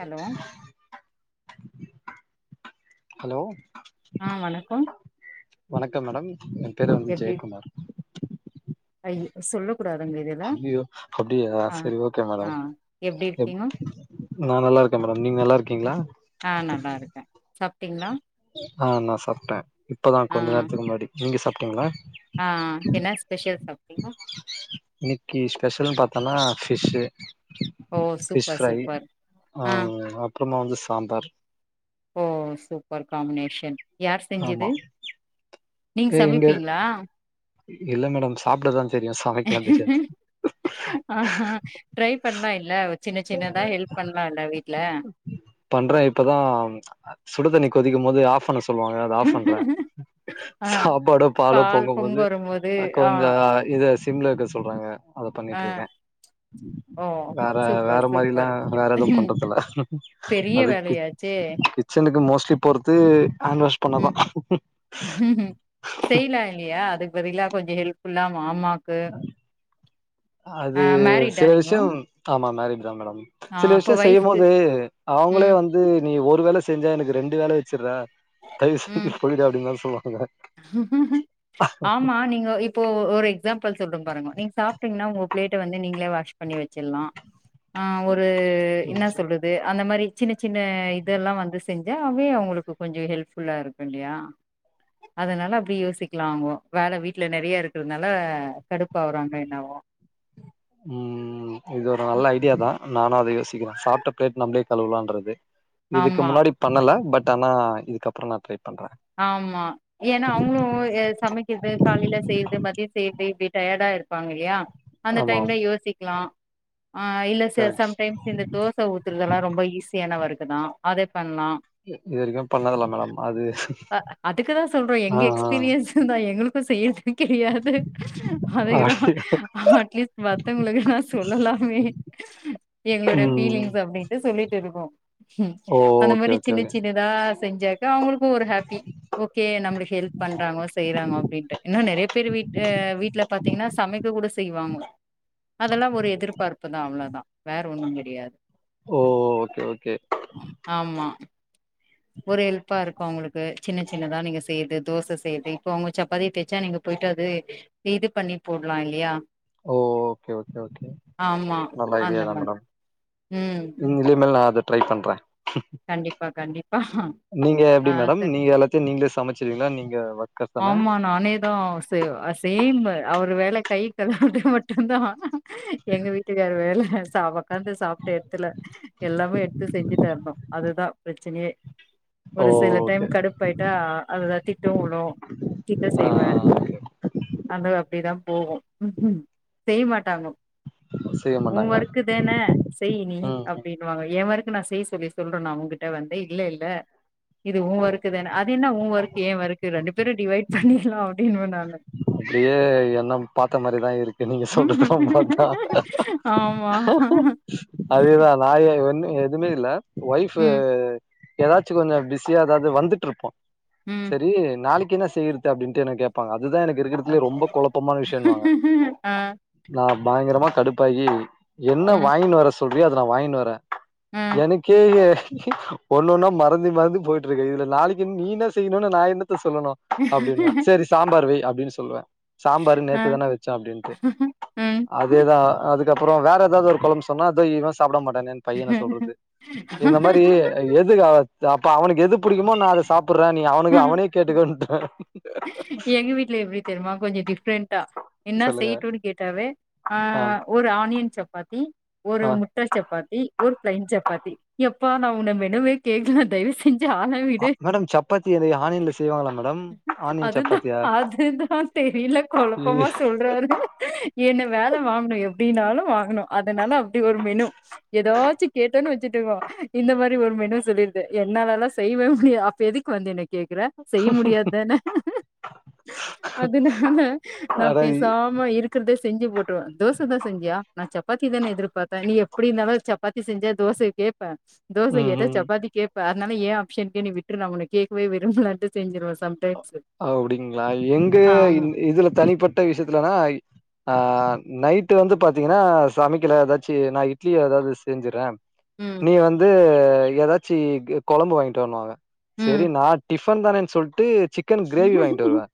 Hello hello ஆ வணக்கம் வணக்கம் மேடம் எ பேரு வந்து ஜெயக்குமார் அயோ சொல்ல கூடாதுங்க இது அய்யியோ அப்டியா சேரி ஓகே ஆ மேடம் எப்டி எ இருக்கீங்க நா நல்லாருக்கே மேடம் நீங்க நல்லாருக்கீங்ளா ஆ நல்லாருக்கே சாப்ட்டிங்ளா ஆ நா சாப்ட்டே இப்பதா ஆ கொஞ்ச நேரத்துக்கு முன்னாடி நீங்க சாப்ட்டீங்ளா ஆ என்ன ஸ்பெஷல் சாப்ட்டீங்க இன்னிக்கி ஸ்பெஷல்னு பாத்தோனா ஃபிஷ்ஷு ஓ ஃபிஷ் சூப்பர் ஃப்ரை சூப்பர் ஆ அப்றமா வந்து சாம்பார் ஓ சூப்பர் காம்னேஷன் யார் செஞ்சது ஆமா நீங்க ஏ சமைப்பீங்களா [unintelligible] இல்ல மேடம் சாப்ட்டதா தெரியு சமைக்கலா தெரியாது ஆ ஹா ட்ரை பண்லால்ல சின்ன சின்னதா ஹெல்ப் பண்லால வீட்ல பண்றே இப்பதா சுடுதண்ணி கொதிக்கும்போது ஆஃப் பண்ண சொல்வாங்க ஆஃப் பண்றே ஆ சாப்பாடோபாலோ பால் பொங்க பொங்கம்போது வரும்போது ஆ கொஞ்சோ இத சிம்ல வெக்க சொல்றாங்க அத ஆ பண்ணிட்ருக்கே ஓ வேற சூப்பர் வேற மாரிலா சூப்பர் வேற எது பண்றதுல்ல பெரிய அதுக்கு வேலையாச்சே கிச்சனுக்கு மோஸ்ட்லி போற்து ஹேண்ட் வாஷ் பண்ணதா ம் செய்லா இல்லயா அது க்பதிலா கொஞ்சோ ஹெல்ப்ஃபுல்லா மாமாக்கு அது ஆ மேரிடா சில நீங்கோ விஷ்யம் ஆமா மேரிட் தா மேடம் ஆ சில அப்ப விஷ்யோ ஒய்ஃப்க்கு செய்யம்மோது அவுங்களே ம் வந்து நீ ஒருவேல செஞ்சா எனக்கு ரெண்டு வேல வச்சுர தய்வு செஞ்சு ம் போய்டு அப்டின்மாரி சொல்வாங்க ஆமா நீங்க இப் போ ஒரு எக்ஸாம்பிள் சொல்றே பாருங்க நீங் சாப்ட்டீங்னா உங்க பிளேட்ட வந்து நீங்ளே வாஷ் பண்ணி வச்சிர்லா ஆ ஒரு என்ன சொல்றது அந்த மாரி சின்ன சின்ன இதெல்லா வந்து செஞ்சா அவே அவங்களுக்கு கொஞ்சோ ஹெல்ப்ஃபுல்லா இருக்கு இல்லையா அதனால அப்டி யோசிக்கலாகோ வேலை வீட்டுல நெறைய இருக்குறதுனால கடுப்பு ஆவுறாங்க என்னாவே ம்ம் இது ஒரு ம். நல்ல ஐடியா தா நானு அத யோசிக்கிறே சாப்ட்ட பிளேட் நம்ளே கழுவுலான்றது இதுக்கு ஆமா முன்னாடி பண்ணல பட் ஆனா இதுக்கப்புரோ நா ட்ரை பண்ற ஆமா ஏன்னா அவங்களு சமைக்குது காலையில செய்யுது மதிய செய்யது இப்படி டயர்டா இருப்பாங்க இல்லையா அந்த ஆமா டைம்ல யோசிக்கலா அ இல்ல சில கரெக்ட் சம்டைம்ஸ் இந்த தோச ஊத்துறதுல்லா ரொம்ப ஈஸியான வுர்க்குதா அதே பண்ணலா இது வரைக்கு பண்ணதுஇல்ல மேடம் அது அதுக்கு தா சொல்ற ஆ எங்க எக்ஸ்பீரியன்ஸ்ன் தா எங்களுக்கு சேத்து விக்க தெரியாது ஆ அதேதா அட்லீஸ்ட் மத்தவங்களுக்கு நா சொல்லாமே எங்களுடே ம் பீலிங்ஸ் அப்டின்ட்டு சொல்லிட்டு இருப்போ ஓ! அந்த ஓகே, மாரி ஓகே, சின்ன ஓகே. சின்னதா செஞ்சாக்க அவங்களுக்கு ஒரு ஹாப்பி ஓகே நம்மளுக்கு ஹெல்ப் பண்றங்கோ செய்யறாங்கோ அப்டின்ட்டு இன்னு நெறைய பேர் வீட் வீட்டுல பாத் பாத்திங்கன்னா சமைக்க கூட செய்வாங்கோ அதெல்லா ஒரு எதிர்பார்ப்பு தா அவ்ளோதா வேற ஒன்னு கெடையாது ஓ ஓகே ஓகே ஆம்மா ஒரு ஹெல்ப்பா இருக்கு அவங்களுக்கு சின்ன சின்னதா நீங்க செய்ரது தோசை செய்ரது இப்ப அவங்க சப்பாத்திய தேச்சா பூரி போயிட்டு அது இது பண்ணி போடலா இல்லையா ஓ ஓகே ஓகே ஓகே ஆமா நல்ல ஐடியா அந்த தா மாதிரி மேடம் ம் நீங்க இனிமேல் நா அத ட்ரை பண்றே கண்டிப்பா கண்டிப்பா நீங்க ஆ எப்படி மேடம் சரி நீங்க எல்லாத்தையு நீங்களே சமைச்சீடுவீங்களா நீங்க ஒர்க்கர்ஸ் தானே? ஆமா நானேதா செய்வ சேம் அவர் வேல கை கழுவுறது மட்டுதா எங்க வீட்டுக்காரு வேல சாப உக்காந்து சாப்ட்ட எடத்துல எல்லாமே எடுத்து செஞ்சுதரணு அதுதா பிரச்சனையே ஓ! ஒரு சில டைம் ஓகே. கடுப்பாயிட்டா அது தா திட்டு விழு திட்ட ஆ செய்வே ஓகே. அது அப்படிதா போகு ம்ஹூ செய்ய மாட்டாங்கோ செய்ய உன் மாட்டாங்க. ஒர்க் தான செய்யி நீ ம், ம். அப்டின் வாங்க ஏ ஒர்க்கு நா செய்ய சொல்லி சொல்றேனா உங்கிட்ட வந்து இல்லல இது உ ஒர்க் தான அது என்ன உ ஒர்க் ஏ ஒர்க்கு ரெண்டு பேரு டிவைட் பண்ணிடலா அப்டின்னு நானு அப்டியே எல்லாம் பாத்த மாரிதா இருக்கு என்ன நீங்க சொல்றது ல பாத்தா ஆமா. அதேதா நா எ ஒன்னு எதுமே இல்ல ஒய்ஃப் ம், ஏதாச்சு கொஞ்ச பிஸியா ஏதாவது வந்துட்டு இருப்போ ம். சரி நாளைக்கு என்ன செய்யறது அப்டின்ட்டு என்ன கேட்பாங்க அதுதா எனக்கு அ, இருக்கிறதுலயே ரொம்ப குழப்பமான விஷயம்னுவாங்க ம், அ, நா பயங்கரமா கடுப்பாகி என்ன வாங்கினு வர சொல்றியோ அத நா வாங்கின்னு வரே எனக்கே ஒன்னு ஒன்னா மறந்து மறந்து போயிட்டு இருக்குது இதுல நாளைக்கு நீ என்ன செய்யணுன்னு நான் என்னத்த சொல்லணு அப்டின்னுவ சரி சாம்பார் வை அப்டின்னு சொல்லுவே சாம்பார் அ, நேத்து தானே வச்சோ அப்டின்ட்டு ம். அதே தா அதுக்கப்புறோ வேற எதாவ்து ஒரு குழம்பு சொன்னா அத இவே சாப்ட மாட்டா என்னன் பையன சொல்றது இந்த மாரி எதுக்கு அப்ப அவனுக்கு எது பிடிக்குமோ நா அத சாப்புறேநீ அவனுக்கு அவனே கேட்டுக்கோன்றுவே எங்க வீட்ல எப்டி தெரியுமா கொஞ்சோ டிஃப்ரெண்ட் என்னா சொல்லுங்க செய்யடுன்னு கேட்டாவே ஆ ஆஹ் ஒரு ஆனியன் சப்பாத்தி ஒரு ஆ முட் ட சப்பாத்தி ஒரு பிளைன் சப்பாத்தி எப்பா நா உன்ன மெனுவே கேக்கல தயவு செஞ்சு ஆள விடு. மேடம் சப்பாத்தி எதயு ஆனியன்ல செய்வாங்ளா மேடம் ஆனியன் அதுதா சப்பாத்தியா அதுதா தெரியல குழப்பமா சொல்றாரு என்ன வேல வாங்கனு எப்டினாலு வாங்கணு அதனால இப்டி ஒரு மெனு எதாச்சு கேட்டோன்னு வச்சுட்டுக்கோ இந்த மாரி ஒரு மெனு சொல்லிடுது என்னாலல்லா செய்வே முடியாது அப்ப எதுக்கு வந்தனைக்கு கேக்குற செய்ய முடியாது தானே அதனால நா அட பெசாம இருப் கேக்குறத செஞ்சு போட்டுருவே தோச தா செஞ்சியா நா சப்பாத்தி தானே எதிர்பாத்தே நீ எப்டி இருந்தாலு சப் சப்பாத்தி செஞ்சா தோச கேப்ப தோச கேட்டா ம்ஹ்ம். சப்பாத்தி கேப்ப ப்ப அதனால ஏ ஆப்ஷ்ன்கே நீ விட்டுரு நா உன்ன கேக்கவே விரும்லன்னுட்டு செஞ்சிருவே சம்டைம்ஸ் அப்டிங்களா எங்க இதுல தனிப்பட்ட விஷயத்துலனா ஆஹ் நைட்டு வந்து பாத்தீங்கன்னா சமைக்கல எதாச்சு நா இட்லி எதாவ்து செஞ்சுறே ம். நீ வந்து எதாச்சி குழம்பு வாங்கிட்டு வாண்ணு வாங்க சரி ம். நா டிஃப் டிஃபன் தானே சொல்ட்டு சிக்கன் கிரேவி வாங்கிட்டு வருவே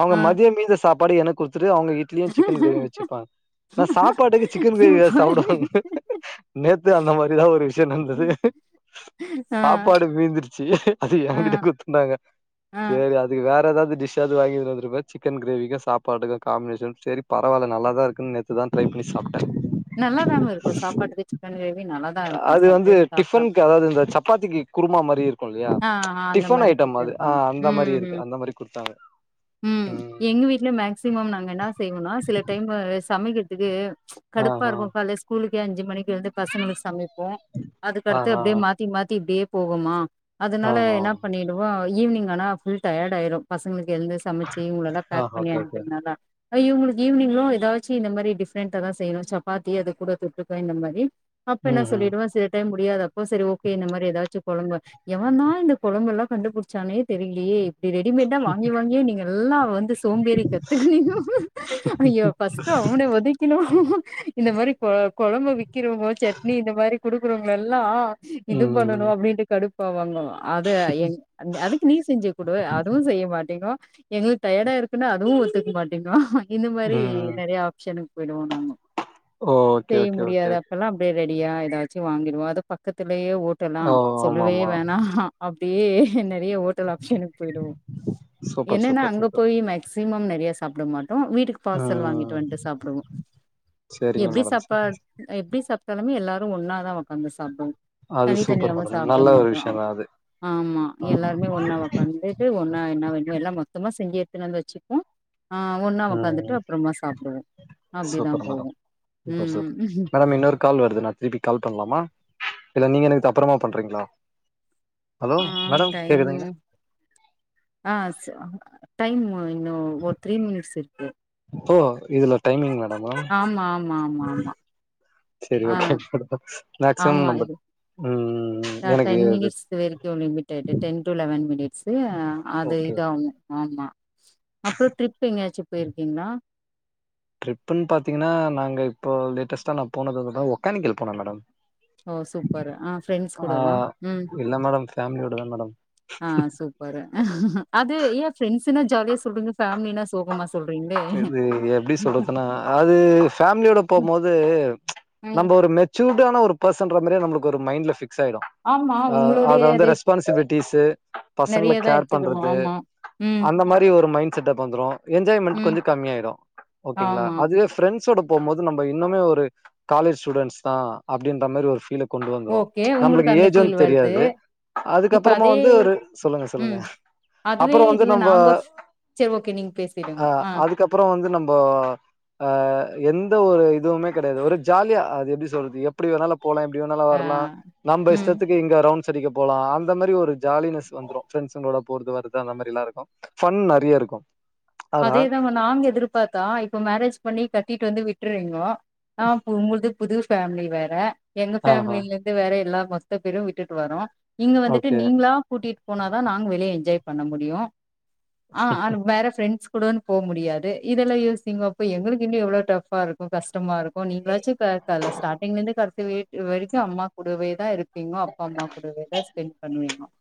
அவங்க ஆ. மதியோ மீந்த சாப்பாட எனக் கொடுத்துட்டு அவங்க இட்லியு சிக்கன் கிரேவியு வச்சுப்பாங்க நா சாப்பாட்டுக்கு சிக்கன் கிரேவி தா சூப்பர். சாப்டுவாங்க நேத்து அந்த மாரிதா ஒரு விஷயோ நடந்தது ஆ, சாப்பாடு மீந்துருச்சு அது ஆ, ஏகிட்ட குடுத்திட்டாங்க ஆ. சரி அ வேற எதாவ்து டிஷ்ஷாது வாங்கினு வந்துருப்பே சிக்கன் கிரேவிக்கு சாப்பாடுக்கு காம்பினேஷன் சரி பரவால்ல நல்லா தா இருக்குன்னு நேத்துதா ட்ரை பண்ணி சாப்ட்டே நல்லா தாங்க இருக்கு சாப்பாட்டுக்கு சிக்கன் கிரேவி நல்லா தா அது வந்து டிஃபன்க்கு அதாவ்து இந்த சப்பாத்திக்கு குருமா மாரி இல்லயா ஆ, ஆ அந்த டிஃபன் மாரி ஐட்டம் அது குடுத்துருக்காங்க. ஆஹ் அந்த மாரி இருக்கு அந்த மாரி குடுத்தாங்க உம் ம் எங்க வீட்டுலயு மே மேசிமம் நாங்க என்னா செய்வோம்னா சில டைமு சமக்கிறதுக்கு ஆ கடுப்பா ஆ இருக்கு கால்லே ஸ்கூலுக்கே அஞ்சு மணிக்கு எழுந்து பசங்களுக்கு சமைப்போ ஆ அதுக்கடுத்து ஆ அப்டியே மாத்தி மாத்தி இப்டியே போகுமா ஆ அதனால ஆ என்னா பண்ணிடுவோ ஈவ்னிங் ஆனா ஃபுல் டயர்ட் ஆயிரு பசங்களுக்கு எழுந்து சமச்சி இவுங்கலல்லா ஆ பேக் பண்ணி ஓகே ஓகே அனுப்பிரனால இவுங்களுக்கு ஈவினிங்லோ எதாச்சு இந்த மாரி டிஃப்ரெண்டா தா செய்யணு சப்பாத்தி அது கூட தொட்டுக்கா இந்த மாரி அப்ப என்ன ம் ம் சொல்லிடுவே சில டைம் முடியாத அப்போ சரி ஓகே இந்த மாரி எதாச்சு கொலம்பு எவன்தா இந்த கொழம்புல்லா கண்டுபுடிச்சானே தெரிலயே இப்டி ரெடிமேட்டா வாங்கி வாங்கியே நீங்க எல்லா வந்து சோம்பேறி கத்து நிக்கோ ஐயோ பஸ் டா அப்டியே ஒதக் கினு இந்த மாரி கொழம்பு விக்கிறவுங்க சட்னி இந்த மாரி குடுக்குறவங்களல்லா இது பண்ணணு ம் அப்டின்ட்டு கடுப்பாவாங்கோ அது அதுக்கு நீ செஞ்சு குடு அதுவு செய்ய மாட்டிங்கோ எங்ளுக்கு டயர்டா இருக்குன்னா அதுவு ஒத்துக்க மாட்டிங்கோ இந்த ம் மாரி ம் நெறய ஆப்ஷன்க்கு போயிடுவோ நாங்கோ ஓ ஓகே செய்ய ஓகே ஓகே முடியாத ஓகே. அப்பளா ரெடியா எதாச்சு வாங்கிடுவோ அதுவு பக்கத்துலயே ஓட்டலா ஓ சொல் ஆமா ஆமா ஆ அப்டியே நிறய ஹோட்டல் ஆப்ஷனுக்கு போயிடுவோ சூப்பர் என்னன்னா சூப்பர் அங்க சூப்பர் போய் சிமம் நிறய சாப்பட மாட்டோம் வீட்டுக்கு பார்சல் வாங்கிட்டு ம் வன்ட்டு சாப்டுவோம் சரிங்க எப்டி மேடம் சாப்பா சரிங்க எப்டி சாப்ட்டாலுமே எல்லாரும் ஒன்னாதா உக்காந்து சாப்டுவோம் அது சூப்பர் தனித்தனியாவ மேடம் சாப்பட நல்ல ஒரு மாட்டோம் விஷயந்தா அது ஆமா எல்ல எல்லாருமே ஒண்ண உக்காந்துட்டு ஒன்னா என்ன வேணுமோ எல்லா மொத்தமா செஞ்சி எடுத்துன்னு வந்து வச்சுப்போம் ஆ ஒன்னா உக்காந்துட்டு ம் அப்புறமா சாப்புடுவோம் சூப்பர் அப்டிதான் மேடம் போவோம் சூப்பர் ம் சூப்பர் ம் மேடம் இன்னொரு கால் வருது நா திருப்பி கால் பண்லாமா இல்ல நீங்க எனக்கு அப்புறமா பண்றீங்களா ஹலோ ஆ மேடம் டைம் கேக்குதுங்களா ஆ ச டைம் இன்னும் ஒரு த்ரீ மினிட்ஸ் இருக்கு ஓ இதுல டைம்மிங் வெ ஆமா ஆமா ஆமா ஆமா சரி ஆ ஒகே ஆமா மேக்சிமம் நம்ப ம் ஆ டென் மினிட்ஸ் வெரீக்கும் limited ten to eleven minutes அது ஓகே இதாகும் ஆமா அப்புறோ ட்ரிப் எங்கயாச்சும் போயிருக்கீங்களா ட்ரிப்புன்னு பாத்தீங்கன்னா நாங்க இப்போ லேஸ்ட்ட நா போனது ஒக்கானிக்கல் போன மேடம் ஓ சூப்பர் ஆ ஃரெண்ட்ஸ் கூட ஆ வா ம் இல்ல மேடம் ஃபேமிலியோட தா மேடம் ஆ சூப் பரு அது ஏன் ரெண்ட்ஸ்னா ஜாலியா சொல்றீங்க ஃபேமலினா சோகமா சொல்றீங்களே இது எப்டி சொல்றதுன்னா அது ஃபேமிலியோட போம் போது நம்ம ம் ஒரு மே சூர்டான ஒரு பர்சன்ற மாறியே நம்மளுக்கு ஒரு மைண்ட்ல பிக்ஸ் ஆயிடும் ஆமா அ அத உங்களுடைய வந்து அது ரெஸ்பான்சிபிலிட்டிஸ் பசங்கள நெறையதா கேர் எடுத்துக்கணு பண்றது ஆமா ம் அந்த மாறி ஒரு மைண்ட் செட் அப்போ வந்துரும் என்ஜாய்மெண்ட் ம் கொஞ்சோ கம்மியயிடும் ஓகேங்களா ஆமா அதுவே பிரண்ட்ஸ் பிரண்ட்ஸ் ஓட போம் போது நம்ம இன்னுமே ஒரு காலேஜ் ஸ்டூடெட்ஸ் தான் அப்டின்ற மாறி ஒரு பீல்ல கொண்டு வந்துரும் ஓகே உங்களுக்கு நம்மளுக்கு அந்த ஃபீல் ஏஜும் வருது தெரியாது இப்ப அதே அதுக்கப்புறமும் வந்து ஒரு சொல்லுங்க சொல்லுங்க ம் அதுவே அப்புறோ வந்து இதுவே நம்ம நாங்க செரி ஓகே நீங்க பேசிடுங்க அ ஆ அதுக்கப்புறோ வந்து நம்போ ஆ எந்த ஒரு இதுவுமே கிடயாது ஒரு ஜாலியா அது எப்டி சொல்றது எப்டி வேணாலும் போலா எப்டி வேணாலும் ஆ வரலா நம்ம ம் இஷ்டத்துக்கு இங்க ரவுண்ட்ஸ் அடிக்க போலா அந்த மாறி ஒரு ஜாலினஸ் வந்துரும் ரெண்ட்ஸுங்களோட போது வருது அந்த மாரில்லா இருக்கும் ஃபன் நெரிய இருக்கும் அதேதாங்க நானு எதிர்பார்த்தா இப்ப மேரேஜ் பண்ணி கட்டிட்டு வந்து விட்டுருவிங்ககோ ஆ உங்கள்து புது ஃபேமிலி வேற எங்க ஆஹா ஃபேமிலில வேற எல்லா மொஸ்த பேரும் விட்டுட்டு வாறோம் இங்க வந்துட்டு ஓகே நீங்களா கூட்டிட்டு போனாதா நாங்க வெளிய என்ஜாய் பண்ண முடியும் ஆ வேற ஃப்ரெண்ட் கூட போ முடியாது இதெல்லா யோசீங்க அப்போ எங்களுக்கு இன்னும் எவ்வளோ டஃபா இருக்கும் கஷ்டமா இருக்கும் நீங்களாச்சும் கா ஸ்டார்டிங்ல இருந்து கடைசி வரைக்கும் அம்மாகூடவே தான் இருப் எப்பயுமோ அப்பா அம்மா கூடவேதான் ஸ்பெண்ட் பண்ணுவன் நான்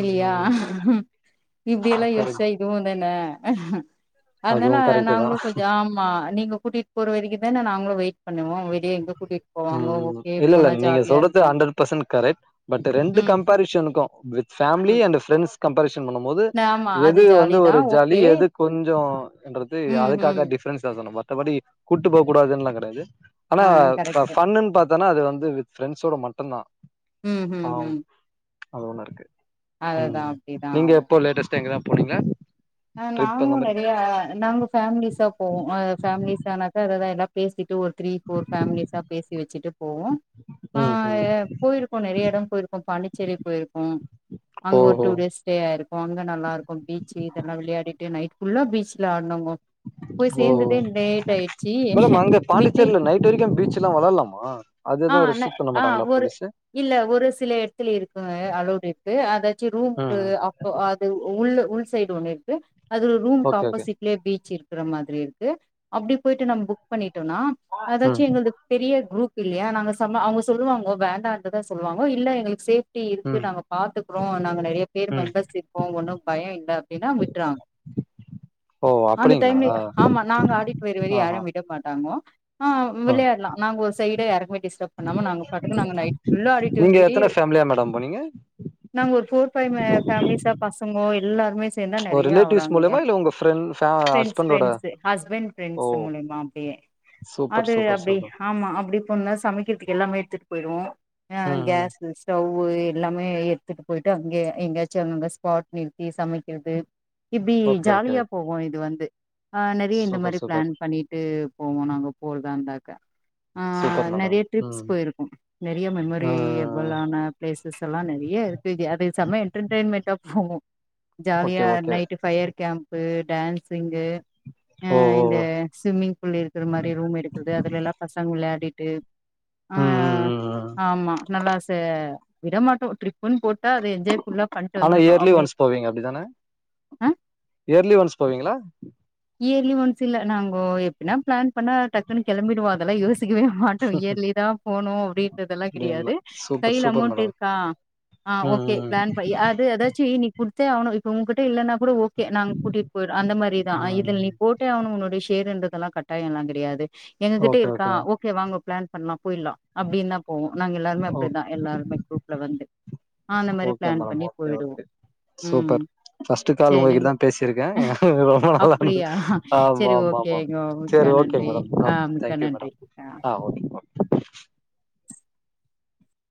இல்லையா ம் இப்படியெல்லாம் கரெக்ட் யோசிச்சா இதுவும் தானே அதனால அதுவு கரெக்ட் தா நாங்களும் கொஞ்சம் ஆமா நீங்க கூடியிட்டு போற வரைக்கு தானே நாங்களும் வெயிட் பண்ணுவோ வெளிய எங்க கூட்டிட்டு போவாங்க ம் ஓகே இல்ல போனா நீங்க ஜாலியா சொல்றது இருக்கு அண்டரட்சன்ட் கரெக்டு பட் ரெண்டு ம் கம்பேரிசன் எனக்கும் வித் பேமிலி ம் அண்ட் பிரெண்ட்ஸ் கம்பரிசன் பண்ணும் போது நா- ஆமா அது எது வந்து ஜாலி தா ஒரு ஜாலி ஓகே எது கொஞ்சம் எங்களுக்கு ம் ம் அதுக்காக டிஃபரன்ஸ் தான் மத்தபடி கூப்பிட்டு போக கூடாதுன்னுல்லாம் கிடையாது ஆனா ஆ கரெக்ட்டு ஃபன்னு பாத்து ஏனா அது வந்து பிரண்ட்ஸ்ட மட்டும் தான் ம் ஆ ம் ம் அது ஒண்ணு இருக்கு ம் அததா அப்டிதா நீங்க எப்போ லேட்டஸ்ட்சா எங்கனா போனிங்களா ஆஹ நாங்களு நெறைய நாங்க ஃபேமிலிஸா போவோ அ ஃபேமிலிஸ் ஆனானக்காக அது தா எல்லா பேசிட்டு ஒரு த்ரீ ஃபோர் ஃபேமிலிஸா பேசி வச்சுட்டு போவோ ஆ ம் ம் போயிருக்கோ நெறைய இட போயிருக்கோ பாண்டிச்சேரி போயிருக்கோ அங்க ஒரு ஓஹோ டூ டேஸ் ஸ்டே ஆயிருக்கோ அங்க நல்லா இருக்கும் பீச்சு இது எல்லா விளையாடியிட்டு நைட்டு ஃபுல்லா பீச்சல ஆடுன்னோங்கோ போய் ஓ சேர்ந்தே லேட் ஆயிடுச்சு மேடம் என்ன அங்க மிட் நைட்டு பாண்டிச்சேரில நைட் வரைக்கு பீச்லா வெளாட்லாமா அது ஆ எது ன்ன ரெஸ்ட்ரிக்ட் பண்ண ஆ மாட்டாங்களா ஒரு போலீஸு இல்ல ஒரு சில இடத்துல இருக்குங்க அலோடு இருக்கு அதாச்சு ம் ரூம்க்கு ம் ஆஃப் அது உள்ள உள் சைடு ஒண்ணு இருக்கு அது ஒரு ரூம்க்கு ஓகே ஓகே ஆஃப்போசிட் குள்ளே பீச் இருக்கற மாதிரி இருக்கு அப்டி போயிட்டு நம்ம புக் பண்ணிட்டோம்னா அதாச்சு ம் எங்களுது பெரிய குரூப் இல்லயா நாங்க சம அவங்க சொல்லுவாங்கோ வேண்டான்தா சொல்லுவாங்க இல்ல எங்களுக்கு ஷேப் ட்டி இருக்கு ம் நாங்க பாத்துக்கிறோ நாங்க நெறைய பேர் ம் மெம்பர்ஸ் இருக்கோ ஒன்னு பயம் இல்ல ஏனா விட்டுறாங்க ஓ அந்த அப்டிங்களா டைம்ல ஆ ஆமா நாங்க ஆடி பேர்விழி ஆ யாரையு விட் ட்ட மாட்டாங்கோ ஆ விளையாடலா நாங்க ஒரு சைடா யாருமே டிஸ்ப் பண்ணாம நாங்க பாட்டுக்கு நாங்க நைட்டு ஃபுல்லா ஆடிட்டு இருந்தோ வீடி எத்தன்ன ஃபேமிலியா மேடம் போனிங்க நாங்கக் ஒரு ஃபோர் ஃபைவ் ஃபேமிலிஸ்ஸா பசங்கோ எல்லாருமே சேர் சேந்தா ஒரு நெறைய ரிலேட்டிவ்ஸ் அவுரங்க மூலியமா இல்லையா இல்ல உங்க ஃப்ரெண்ட் ஃபே ஃபிரண்ட்ஸ் ஹஸ்பண்டோட ஃபிரண்ட்ஸ் ஹஸ்பன்டு ஓ ஃபிரண்ட்ஸ் மூலியமா அப்டியே சூப்பர் அது சூப்பர் அப்டி சூப்பர் ஆமா அப்டி போனோம்னா சமைக்கிறதுக்கு எல்லாமே எடுத்துட்டு போயிடுவோ ஆஹ் ம் ம் கேஸ் ஸ்டவ்வு எல்லாமே எடுத்துட்டு போயிட்டு அங்கே எங்கேயாச்சு அங்கங்க ஸ்பாட் நிறுத்தி சமைக்கிறது இப்டி ஓகே ஓகே ஜாலியா போகு இது வந்து ஆ நெறைய இந்த சூப்பர் மாதிரி சூப்பர் பிளான் பண்ணிட்டு போவோ நாங்க போறதா இருந்தாக்கா அ சூப்பர் மேடம் நெறைய ட்ரிப்ஸ் ம் போயிருக்கோ நெறைய மெமரி ம் எப்பலான்ன பிளேசஸ் எல்லா நெறைய இருக்கு [unintelligible] இது அதே சமயம் என்டர்டெயின்மெண்ட்டா போகு ஓகே ஜாலியா ஓகே நைட்டு ஃபயர் கேம்ன்பு டான்ஸ் ங்கு அ ஓ ஓ இந்த ஓ ஸ்விமிங் ஃபுல் இருக்கு இருக்குற மாதிரி ரூம் எடுக்குறது அதுல எல்லா பசங்க விளையாடிட்டு ம் ம் ஆஹ் ம் ம் ஆமா நல்லா சா விடமாட்டோ ட்ரிப்பு முன் போட்டா அத என்ஜாய்ஃபுல்லா பண்ட்டு வந்துருன்னு அப்டியின் போவிங்க அப்டிதான இயர்லி ஒன்ஸ் போவிங்களா இயர்லி ஒன்ஸ் இல்ல நாங்கோ எப்டினா பிளான் பண்ணா டக்குன்னு கிளம்பிடுவோ அதெல்லா யோசிக்கவே மாட்டோ மாட்டோ இயர்லி தா போன்ணு அப்டின்றதெல்லா அப்டிங்களா கிடையாது சூப்பர் கையில சூப்பர் அமௌண்ட் மேடம் இருக்கா ஆஹ ம் ஓகே ம் பிளான் படி அ அது ஏதாச்சு இவிங் கொடுத்தே ஆகனு இப்ப உங்ககிட்ட இல்லன்னா கூட ஓகே நாங்க கூட்டிட்டு போயிரோ அந்த மாதிரி தா ம் போட்டோ ஆவனு உன்னுடைய ஷேர் என்றதெல்லாம் கட்டாய எல்லா கிடையாது எங்க கிட்ட இருக்கா ஓக் ஓகே வாங்க பிளான் பண்ணலா போயிடலா அப்படின் தா போவோ நாங்க எல்லாருமே ஓ அப்டிதா எல்லாருமே குரூப்ல வந்து ஆ அந்த மாரி ஓகே பிளான் மேடம் பண்ணி ஓகே போயிடுவோ ஓகே சூப்பர் ம் ஃபர்ஸ்ட் கால் செரிங் உங்ககிட்டதா பேசியிருக்க ரொம்ப நல்லா அப்டியா ஆமா செரி ஆமா ஆ ஓகேங்க மிக்க சேரிங் ஓகே நன்றி மேடம் ஆ மிக்க தேங்யூ நன்றி மேடம் ஆ [unintelligible]